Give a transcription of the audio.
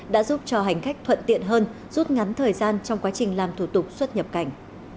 đã giúp cho hành khách thuận tiện hơn rút ngắn thời gian trong quá trình làm thủ tục xuất nhập cảnh